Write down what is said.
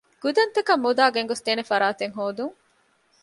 ގުދަންތަކަށް މުދާ ގެންގޮސްދޭނެ ފަރާތެއް ހޯދަން